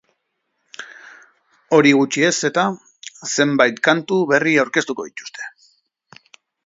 Hori gutxi ez eta, zenbait kantu berri aurkeztuko dituzte.